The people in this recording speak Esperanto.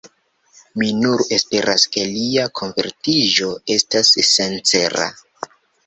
Mi nur esperas, ke lia konvertiĝo estas sincera.